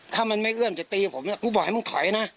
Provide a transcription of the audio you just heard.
ถ้ามันไม่เอื้อมจะตีผมกูบอกให้มึงถอยนะ